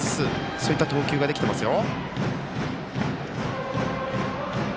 そういった投球ができてますよ。